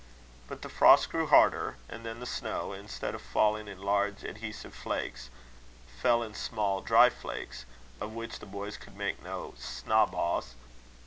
But the frost grew harder; and then the snow, instead of falling in large adhesive flakes, fell in small dry flakes, of which the boys could make no snaw ba's.